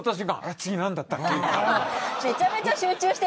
次、何だったっけって。